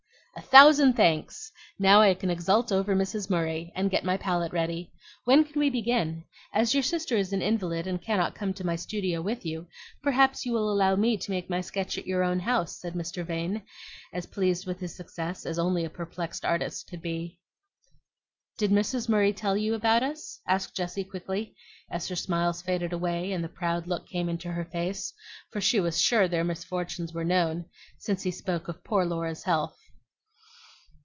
"A thousand thanks! Now I can exult over Mrs. Murray, and get my palette ready. When can we begin? As your sister is an invalid and cannot come to my studio with you, perhaps you will allow me to make my sketch at your own house," said Mr. Vane, as pleased with his success as only a perplexed artist could be. "Did Mrs. Murray tell you about us?" asked Jessie quickly, as her smiles faded away and the proud look came into her face; for she was sure their misfortunes were known, since he spoke of poor Laura's health.